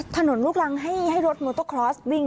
ถนนลูกรังให้ให้รถมอเตอร์คลอสวิ่ง